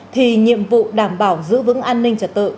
thì nhiệm vụ đảm bảo giữ vững an ninh trật tự